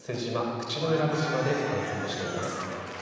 口永良部島で観測しています。